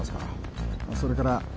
それから